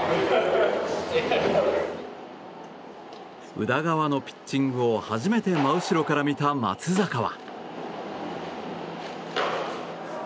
宇田川のピッチングを初めて真後ろから見た松坂は。